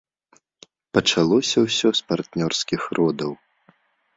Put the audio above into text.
Пачалося ўсё з партнёрскіх родаў.